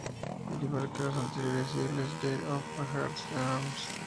Al igual que los anteriores singles "Jar of Hearts" y "Arms".